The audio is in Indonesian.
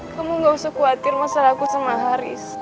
kamu gak usah khawatir masalah aku sama haris